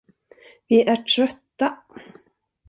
Vi är trötta.